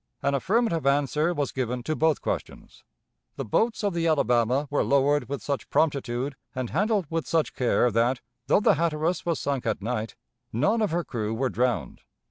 An affirmative answer was given to both questions. The boats of the Alabama were lowered with such promptitude and handled with such care that, though the Hatteras was sunk at night, none of her crew were drowned.